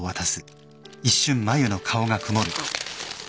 あっ。